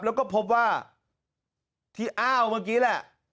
แล้วก็พบว่าที่อ้าวเมื่อกี้แหละ